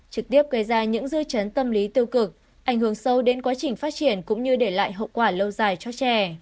trực tiếp gây ra những dư chấn tâm lý tiêu cực ảnh hưởng sâu đến quá trình phát triển cũng như để lại hậu quả lâu dài cho trẻ